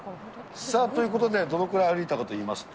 さあ、ということで、どのくらい歩いたかといいますと。